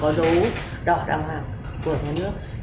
có dấu đọc đàng hoàng của nhà nước